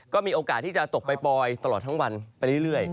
ก็มีโอกาสที่จะตกปล่อยตลอดทั้งวันไปเรื่อย